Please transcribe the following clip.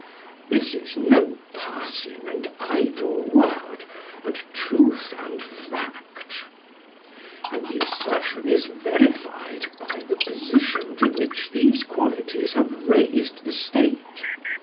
This is no passing and idle word, but truth and fact; and the assertion is verified by the position to which these qualities have raised the state.